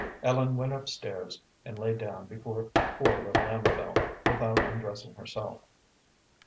Ellen went up stairs, and lay down beside poor little Amabel without undressing herself.